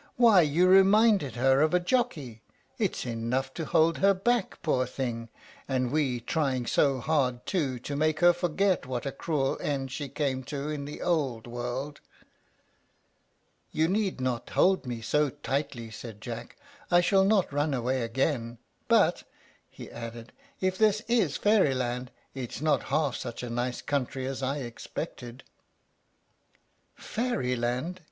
Why, you reminded her of a jockey. It's enough to hold her back, poor thing! and we trying so hard, too, to make her forget what a cruel end she came to in the old world." "You need not hold me so tightly," said Jack, "I shall not run away again; but," he added, "if this is Fairyland, it is not half such a nice country as I expected." "Fairyland!"